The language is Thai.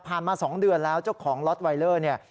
ผ่านมา๒เดือนแล้วจ้องของลอตไวเลอร์